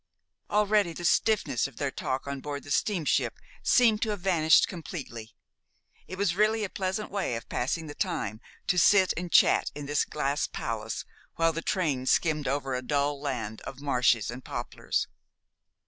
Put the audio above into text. Already the stiffness of their talk on board the steamship seemed to have vanished completely. It was really a pleasant way of passing the time to sit and chat in this glass palace while the train skimmed over a dull land of marshes and poplars.